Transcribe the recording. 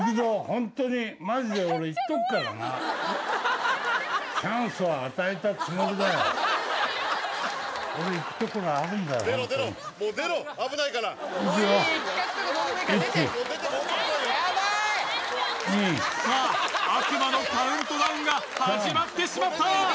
ホントにいくよさあ悪魔のカウントダウンが始まってしまった！